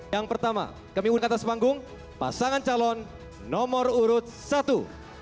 yang pertama kami undang atas panggung pasangan calon nomor urut satu